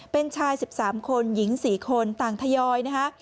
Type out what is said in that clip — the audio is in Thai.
เป็นชาย๑๓คนหญิง๔คนต่างทยอยนะคะ